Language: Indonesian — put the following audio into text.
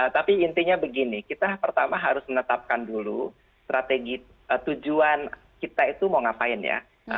tapi intinya begini kita pertama harus menetapkan dulu strategi tujuan kita itu mau ngapain ya